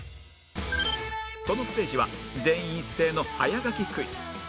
このステージは全員一斉の早書きクイズ